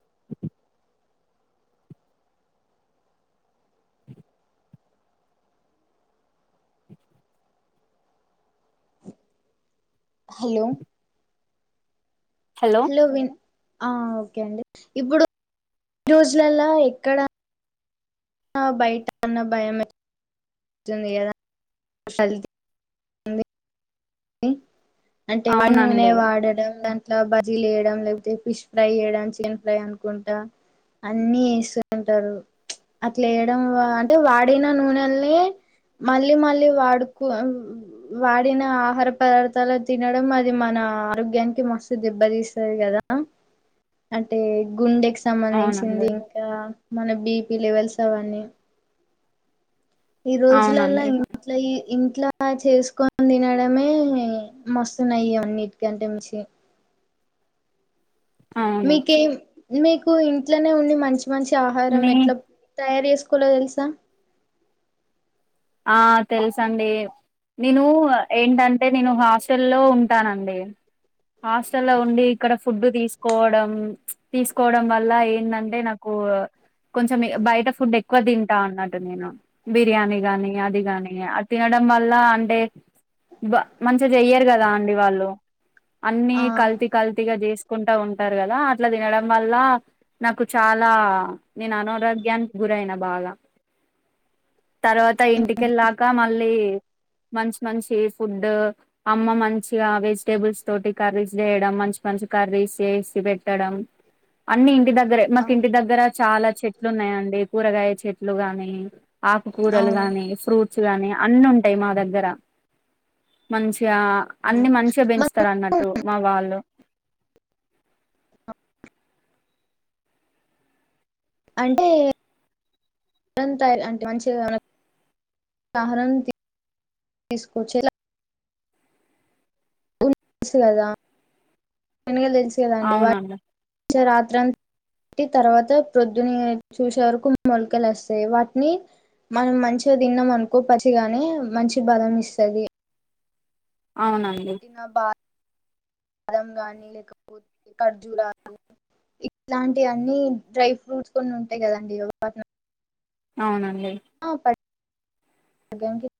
[inaudible] Hello. Hello విన్ ఆ okay అండి ఇప్పుడు రోజులలా ఎక్కడ. బయట అన్న భయమే. ందిద [unintelligible] అంటే వన్ నూనె అవునండి వాడడం దా. ఇట్లా బజ్జీలు వేయడం లేకపోతే ఫిష్ ఫ్రై వేయడం చికెన్ ఫ్రై అనుకుంటా. అన్ని వేస్తూ ఉంటారు. అట్లా వేయడం అంటే వాడిన నూనెల్ని. మళ్ళీ మళ్ళీ వాడుకు వాడిన. ఆహార పదార్థాలు తినడం అది మన ఆరోగ్యానికి మస్తు దెబ్బతీస్తది కదా. అంటే గుండెకి అవునండి సంబంధించింది ఇంకా మన బీపి లెవెల్స్ అవన్నీ ఈ రోజులలా అవునండి ఇంట్ల ఇంట్లా చేసుకొని తినడమే మస్తు నయం అన్నిటికంటే మించి అవును మీకేం మీకు ఇంట్లోనే ఉండి మంచి మంచి ఆహారం నీ ఎట్లా తయారు చేసుకోలో తెలుసా ఆ తెలుసండి నేను ఏంటంటే నేను హాస్టల్ లో ఉంటానండి హాస్టల్ లో ఉండి ఇక్కడ ఫుడ్డు తీసుకోవడం తీసుకోవడం వల్ల ఏంటంటే నాకు కొంచెం బయట ఫుడ్ ఎక్కువ తింటా అన్నట్ నేను బిర్యానీ గాని అది కాగాని అది తినడం వల్ల అంటే మంచిగా బా చెయ్యరు కదా అండి వాళ్ళు అన్ని ఆ కల్తీ కల్తీగా చేస్కుంటా ఉంటారు కదా అట్లా తినడం వల్ల నాకు చాలా నేను అనారోగ్యానికి గురైన బాగా తర్వాత ఇంటికెళ్ళాక మళ్ళీ మంచి మంచి ఫుడ్ అమ్మ మంచిగా వెజిటేబుల్స్ తోటి కర్రీస్ చేయడం మంచి మంచి కర్రీస్ చేసి పెట్టడం అన్ని ఇంటి దగ్గరే ఆ మాకి ఇంటి దగ్గర చాలా చెట్లు ఉన్నాయండి కూరగాయ చెట్లు గాని ఆకుకూరలు అవును గాని ఫ్రూట్స్ గాని అన్ని ఉంటాయి మా దగ్గర మంచిగా అన్ని మంచిగా మనం పెంచుతారు అన్నట్టు మా వాళ్ళు అంటే [unintelligible] అంటే మంచిగా ఆహారం తీ తీసుకొచ్చేలా తెలుసు కదా శెనగలు తెలుసు కదాండి అవునండి వాటిని రాత్ర తర్వాత ప్రొద్దుని చూసే వరకు మొలకలు వస్తాయి వాటిని మనం మంచిగా తిన్నాం అనుకో పచ్చగానే మంచి బలం ఇస్తది అవునండి ఇంకా బా బాదం గాని లేకపోతే ఖర్జురాలు ఇట్లాంటివన్నీ డ్రై ఫ్రూట్స్ కొన్ని ఉంటాయి కదండి అవునండి [unintelligible]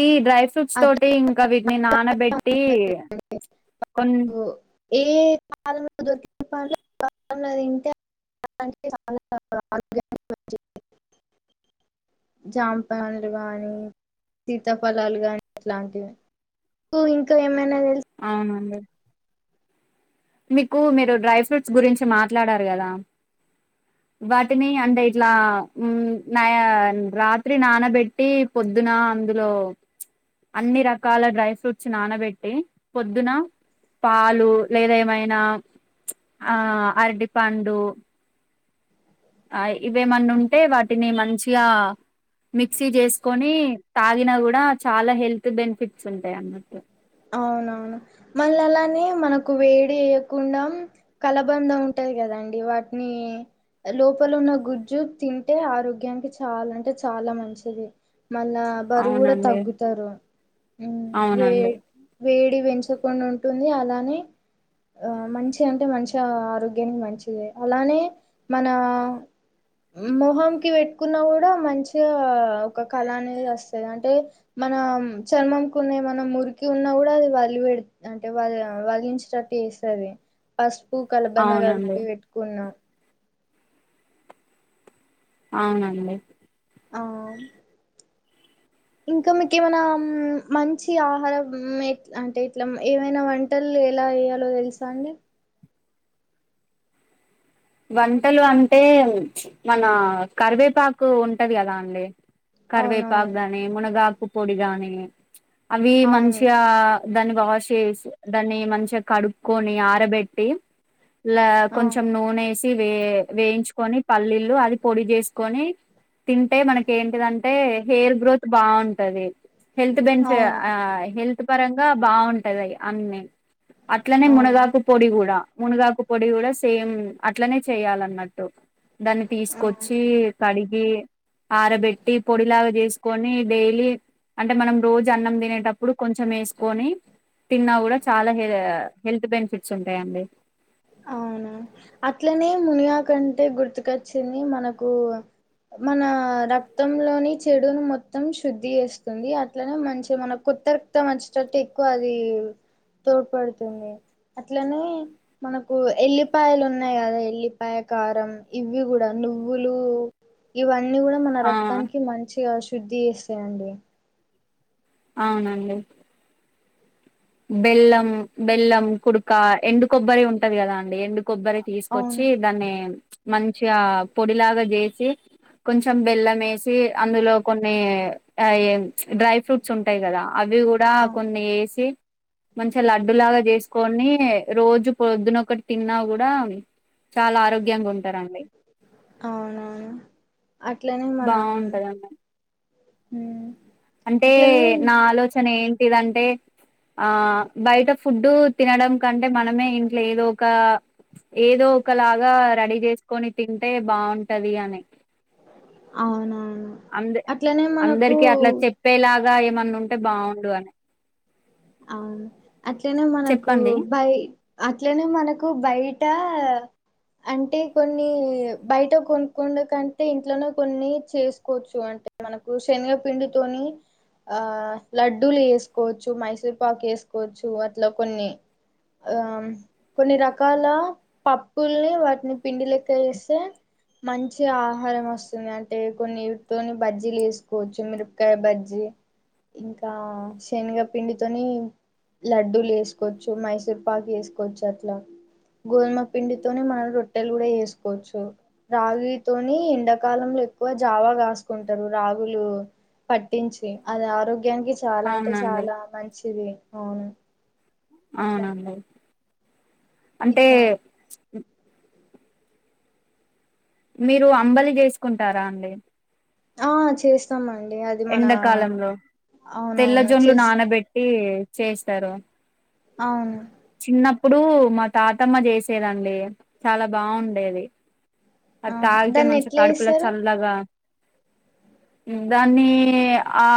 ఈ డ్రై ఫ్రూట్స్ అట్లా తోటి ఇంకా వీటిని నానబెట్టి కొన్ని ఏ కాలంలో దొరికే పండ్లు ఆ కాలంలో తింటే [unintelligible] జాంపానులు గాని సీతాఫలాలు గాని అట్లామ్టివి కు ఇంకా ఏమైనా తెలుస్ అవునండి మీకు మీరు డ్రై ఫ్రూట్స్ గురించి మాట్లాడారు కదా వాటిని అంటే ఇట్లా ఉమ్ నాయా రాత్రి నానబెట్టి పొద్దున అందులో అన్ని రకాల డ్రై ఫ్రూట్స్ నానబెట్టి పొద్దున పాలు లేదా ఏమైనా ఆ అరడి పండు ఆ ఇవేమన్నా ఉంటే వాటిని మంచిగా మిక్సీ చేసుకొని తాగినా కూడా చాలా హెల్త్ బెనిఫిట్స్ ఉంటాయి అన్నమాట్ట అవునవును మళ్నీ అలానే మనకు వేడి వేయకుండా కలబంద ఉంటది కదండి వాటిని లోపల ఉన్న గుజ్జు తింటే ఆరోగ్యానికి చాలా అంటే చాలా మంచిది మళ్ళా బరువు కూడా అవునండి తగ్గుతారు హు వే అవునండి వేడి పెంచకుండా ఉంటుంది అలానే ఆ మంచి అంటే మంచిగా ఆరోగ్యానికి మంచిది అలానే మన మొహం కి పెట్టుకున్న కూడా మంచిగా ఒక కళ అనేది వస్తది అంటే మనం చర్మంకునే మన ముర్ కున్నా కూడా అది వదిలి పెడు అంటే వ వదిలించేటట్టు చేస్తది పసుపు కలబంద అవునండి కలిపి పెట్టుకున్న అవునండి ఆ ఇంకా మీకేమైనా మంచి ఆహారం ఎ అంటే ఇట్లా ఏవైనా వం టల్ ఎలా చేయాలో తెలుసా అండి వంటలు అంటే మన కరివేపాకు ఉంటది కదా అండి అవునవును కరివేపాకు గాని మునగాకు పొడి గాని అవి అవును మంచిగా దాన్ని వాష్ చేసి దాన్ని మంచిగా కడుక్కొని ఆరబెట్టి లా ఆ కొంచెం నూనె సి వే వేయించుకొని పల్లీలు అది పొడి చేసుకొని తింటే మనకు ఏంటిదంటే హేర్ గ్రోత్ బాగుంటది హెల్త్ అవును బెన్స్ అవును ఆ హెల్త్ పరంగా బాగుంటది అన్ని అట్లనే అవును. మునగాకు పొడి కూడా మునగాకు పొడి కూడా సేమ్ అట్లనే చేయాలన్నట్టు దాన్ని ఆ తీసుకొచ్చి కడిగి ఆరబెట్టి పొడిలాగా చేసుకొని డైలీ అంటే మనం రోజు అన్నం తినేటప్పుడు కొంచెం వేసుకొని తిన్నా కూడా చాలా హె హెల్త్ బెనిఫిట్స్ ఉంటాయండి అవునా అట్లనే మునుగాకంటే గుర్తుకొచ్చింది మనకు మన రక్తంలోని చెడును మొత్తం శుద్ధి చేస్తుంది అట్లనే మంచిగా మన కొత్త రక్తం మోచ్చటట్టు ఎక్కువ అది తోడ్పడుతుంది అట్లనే మనకు ఎల్లిపాయలు ఉన్నాయి కదా ఎల్లిపాయ కారం ఇవి కూడా నువ్వులు ఇవన్నీ కూడా మన ఆ రక్తానికి మంచిగా శుద్ధి చేస్తాయండి అవునండి బెల్లం బెల్లం కుడుక ఎండు కొబ్బరి ఉంటది కదా అండి ఎండు కొబ్బరి అవును తీసుకొచ్చి దాన్ని మంచిగా పొడిలాగా చేసి కొంచెం బెల్లం వేసి అందులో కొన్ని అయి డ్రై ఫ్రూట్స్ ఉంటాయి కదా అవి కూ డా అవును కొన్ని ఏసి మంచిగ లడ్డు లాగా చేసుకొని రోజు పొద్దునొకటి తిన్నా కూడా చాలా ఆరోగ్యంగా ఉంటారండి అవునా అట్లనే మన బాగుంటదండి అంటే అట్లనే నా ఆలోచన ఏంటిదంటే ఆ బయట ఫుడ్డు తినడం కంటే మనమే ఇంట్లో ఏదో ఒక ఏదో ఒకలాగా రెడీ చేసుకొని తింటే బాగుంటది అని అవునవును అంద అట్లనే మనకు అందరికి అట్ల చెప్ ప్పేలాగా ఏమన్నా ఉంటే బాగుండు అని అవును అట్లనే మనకు చెప్పండి బాయి అట్లనే మనకు బయట అంటే కొన్ని బయట కొన్కుండూ కంటే ఇంట్లోనే కొన్ని చేసుకోవచ్చు అంటే మనకు శనగపిండితోని ఆ లడ్డూలు వేసుకోవచ్చు మైసూర్ పాక్ వేసుకోవచ్చు అట్లా కొన్ని ఆ కొన్ని రకాల పప్పుల్ని వాటిని పిండిలెక్క చేస్తే మంచి ఆహారం వస్తుంది అంటే కొన్ని వీటితోని బజ్జీలు వేసుకోవచ్చు మిరపకాయ బజ్జీ ఇంకా శనగ పిండి తొని లడ్డూలు చేసుకోవచ్చు మైసూర్పాకు చేసుకోవచ్చు అట్లా గోధుమ పిండితోనే మనం రొట్టెలు కూడా చేసుకోవచ్చు రాగితోని ఎండాకాలంలో ఎక్కువ జావా కాసుకుంటారు రాగులు పట్టించి అది ఆరోగ్యానికి చాలా అంటే అవునండి చాలా మంచిది అవును అట్లా అవునండి అంటే ఇట్లా మీరు అంబలి చేసుకుంటారా అండి ఆ చేస్తామండి అది మన ఎండాకాలంలో అవునవును తెల్లజొన్లు చేస్తాం నానబెట్టి చేస్తారు అవును చిన్నప్పుడు మా తాతమ్మ చేసేదండి చాలా బాగుండేది ఆ దాన్ని ఎట్లా ఎస్తారు లగా [unintelligible] దాన్ని ఆ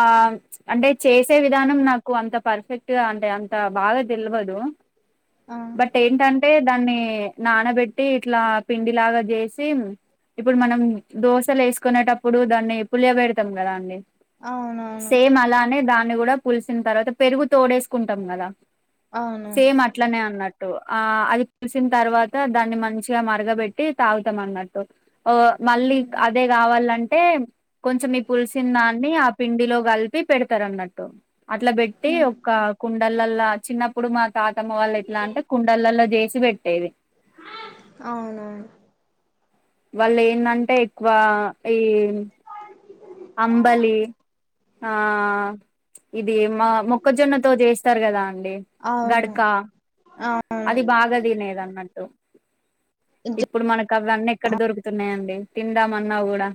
అంటే చేసే విధానం నాకు అంత పర్ఫెక్ట్గా అంటే అంత బాగా తెల్వదు ఆ బట్ ఏంటంటే దాన్ని నానబెట్టి ఇట్లా పిండిలాగా చేసి ఇప్పుడు మనం దోశలు వేసుకునేటప్పుడు దాన్ని పులియ పెడతాం కదా అండి అవునవును సేమ్ అలానే దాన్ని కూడా పులిసిన తర్వాత పెరుగు తోడేసుకుంటాం కదా అవును సేమ్ అట్ అట్లనే అన్నట్టు ఆ అది పులిసిన తర్వాత దాన్ని మంచిగా మరగబెట్టి తాగు తంమన్నట్టు ఓ మళ్ళీ ఉమ్, అదే కావాలంటే కొంచెం ఈ పులిసిన దాన్ని ఆ పిండిలో కల్పి పెడతారు అన్నట్టు అట్లా పెట్టి ఉమ్, ఒక కుండలల్ల చిన్న ఇప్పుడు మా తాతమ్మ వాళ్ళ ఎట్లా అంటే కుండలల్లో చేసి పెట్టేది అవును వాళ్ళు ఏందమ్టే ఎక్కువ ఈ అంబలి ఆ ఇది మా మొక్కజొన్నతో చేస్తారు కదా అండి అవును గడకా అది అవును బాగా తినేదన్నట్టు ఇప్పుడు మనకు అవన్నీ ఎక్కడ దొరుకుతున్నాయండి తిందామన్నా కూడా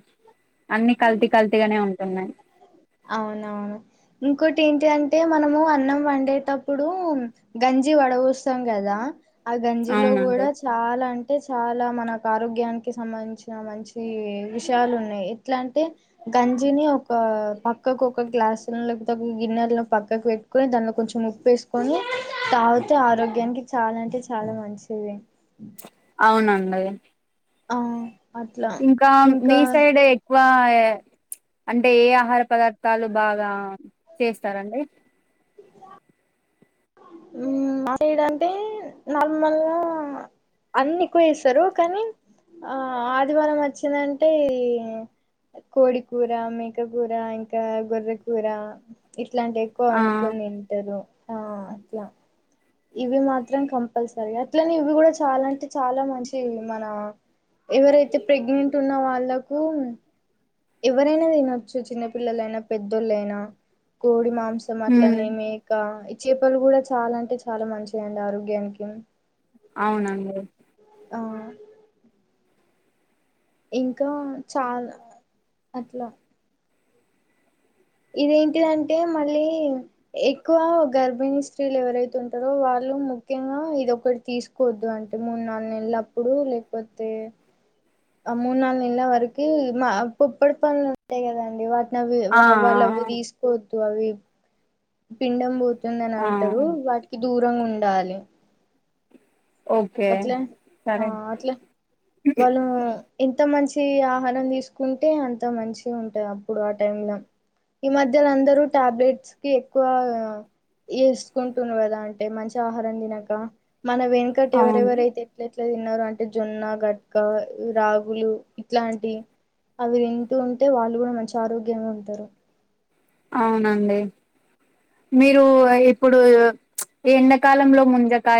అన్ని కల్తీ కల్తీగానే ఉంటున్నాయి అవునవును ఇంకోటి ఏంటి అంటే మనము అన్నం వండేటప్పుడు గంజి వడపోస్తాం కదా ఆ గంజిలో అవునండి కూడా చాలా అంటే చాలా మనకు ఆరోగ్యానికి సంబంధించిన మంచి విషయాలు ఉన్నాయి ఎట్లా అంటే గంజిని ఒక ప పక్కకు ఒక గ్లాస్ లోనో లేకపోతే ఒక గిన్నెల పక్కకు పెట్టుకొని దాంట్లో కొంచెం ఉప్పు వేసుకొని తాగితే ఆరోగ్యానికి చాలా అంటే చాలా మంచిది అవునండి ఆ అట్లా ఇంకా మీ సైడ్ వా ఏ అంటే ఏ ఆహార పదార్థాలు బాగా చేస్తారండి హు అదేదంటే నార్మల్ అన్ని ఎకువ వేస్తారు కానీ ఆ ఆదివారం వచ్చిందంటే కోడి కూర మేక కూర ఇంకా గొర్ర కూర ఇట్లాంటి ఎక్కువ ఆ వండుకొని తింటారు ఆ అట్లా ఇవి మాత్రం కంపల్సరీ అట్లనే ఇవి కూడా చాలా అంటే చాలా మంచివి మన ఎవరైతే ప్రెగ్నెంట్ ఉన్న వాళ్ళకు ఎవరైనా తినొచ్చు చిన్నపిల్లలైనా పెద్దోళ్ళైనా కోడి మాంస హ్మ్ అట్లనే మేక ఈ చేపలు కూడా చాలా అంటే చాలా మంచి దండి ఆరోగ్యానికి అవునండి ఆ ఇంకా చాలా అట్లా ఇదేంటిదంటే మళ్ళీ ఎక్కువ గర్భిణీ స్త్రీలు ఎవరైతే ఉంటారో వాళ్ళు ముఖ్యంగా ఇదిొకటి తీసుకు కొద్దు అంటే మూడు నాలుగు నెలల అప్పుడు లేకపోతే ఆ మూడు నాలుగు నెలల వరకు మా పుప్పడి పనులు ఉంటాయి కదండి వాటి అవి ఆ వా ఆ వాళ్ళవి తీసుకోవద్దు అవి పిండం పోతుంది అని ఆ అంటరు వాటికి దూరంగా ఉండాలి ఓకే అట్ల ఆ సరే అట్ల వాళ్ళు ఎంత మంచి ఆహారం తీసుకుంటే అంత మంచిగా ఉంటది అప్పుడు ఆ టైమ్ ల ఈ మధ్యలో అందరూ టాబ్లెట్స్ కి ఎక్కువ ఏసుకుంటున్రు కదా అంటే మంచి ఆహారం తినక మన వెనుకట అవును ఎవరెవరైతే ఎట్లా తిన్నారు అంటే జొన్న గట్కా రాగులు ఇట్లాంటి అవి తింటూ ఉంటే వాళ్ళు కూడా మంచి ఆరోగ్యంగా ఉంటరు అవునండి మీరు ఇప్పుడు ఈ ఎండాకాలంలో ముంజకాయ